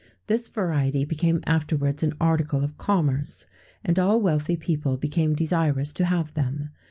[XVII 121] This variety became afterwards an article of commerce, and all wealthy people became desirous to have them.